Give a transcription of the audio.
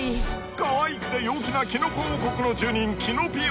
［かわいくて陽気なキノコ王国の住人キノピオ］